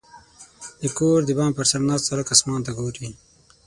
• د کور د بام پر سر ناست هلک اسمان ته ګوري.